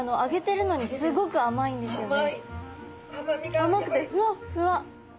甘くてふわっふわ！